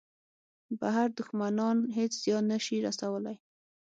بهر دوښمنان هېڅ زیان نه شي رسولای.